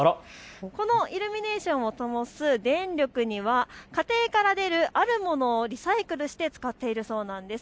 このイルミネーションをともす電力には家庭から出るあるものをリサイクルして使っているそうなんです。